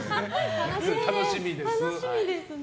楽しみです。